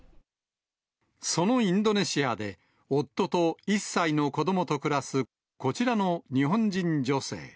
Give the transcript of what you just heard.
そのインドネシアで、夫と１歳の子どもと暮らすこちらの日本人女性。